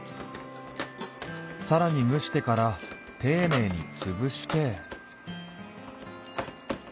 さらに蒸してから丁寧につぶして。